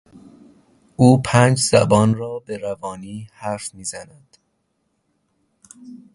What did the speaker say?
او پنج زبان را به روانی حرف میزند.